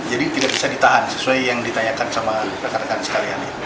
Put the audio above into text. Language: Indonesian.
jadi tidak bisa ditahan sesuai yang ditanyakan sama rekan rekan sekalian